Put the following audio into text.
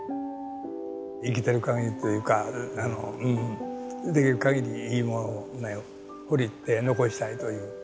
生きてる限りというかできる限りいいものを掘り行って残したいという。